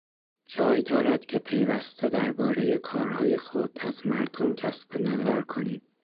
جای دارد که پیوسته دربارهٔ کارهای خود از مردم کسب نظر کنیم.